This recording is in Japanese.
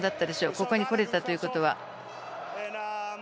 ここに来れたということは。